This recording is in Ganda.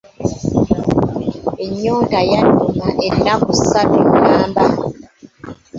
Ennyonta yanuma ennaku ssatu namba.